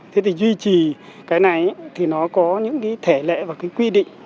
thế thì duy trì cái này thì nó có những cái thể lệ và cái quy định